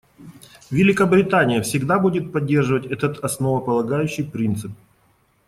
Великобритания всегда будет поддерживать этот основополагающий принцип.